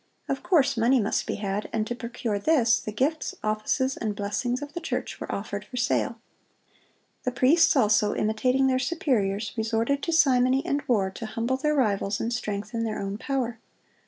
Of course money must be had; and to procure this, the gifts, offices, and blessings of the church were offered for sale.(131) The priests also, imitating their superiors, resorted to simony and war to humble their rivals and strengthen their own power.